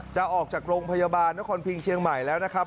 จะออกจากโรงพยาบาลนครพิงเชียงใหม่แล้วนะครับ